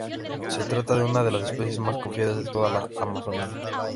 Se trata de una de las especies más "confiadas" de toda la Amazonia.